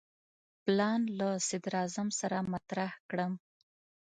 پلان له صدراعظم سره مطرح کړم.